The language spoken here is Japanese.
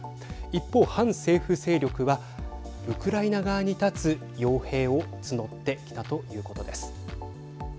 一方、反政府勢力はウクライナ側に立つよう兵を募ってきたということです。